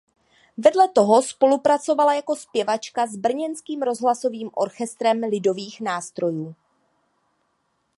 Vedle toho spolupracovala jako zpěvačka s Brněnským rozhlasovým orchestrem lidových nástrojů.